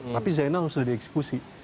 tapi zainal sudah dieksekusi